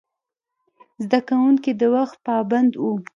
زده کوونکي د وخت پابند وو.